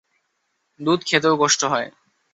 দুধ খেতেও কষ্ট হয়।